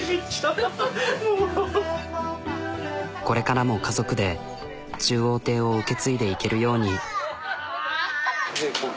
これからも家族で中央亭を受け継いでいけるように。